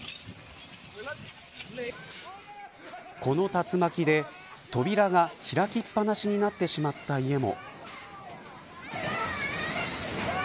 この竜巻で扉が開きっぱなしになってしまった家も。